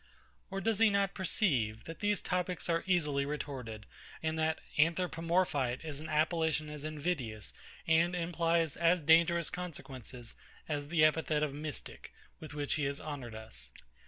Or does he not perceive, that these topics are easily retorted, and that Anthropomorphite is an appellation as invidious, and implies as dangerous consequences, as the epithet of Mystic, with which he has honoured us?